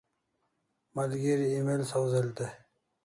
Malgeri email sawz'el dai